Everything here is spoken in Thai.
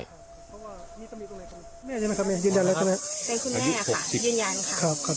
เป็นคุณแม่ค่ะยืนยันค่ะ